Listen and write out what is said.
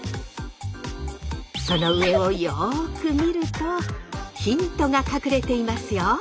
その上をよく見るとヒントが隠れていますよ。